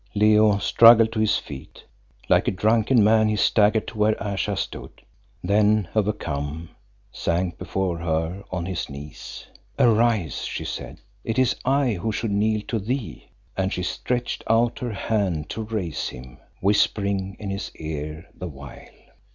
_" Leo struggled to his feet. Like a drunken man he staggered to where Ayesha stood, then overcome, sank before her on his knees. "Arise," she said, "it is I who should kneel to thee," and she stretched out her hand to raise him, whispering in his ear the while.